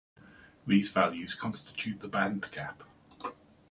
These values constitute the band gap.